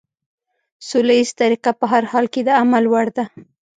سوله ييزه طريقه په هر حال کې د عمل وړ ده.